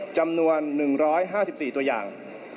จำนวน๑๕๔ตัวอย่าง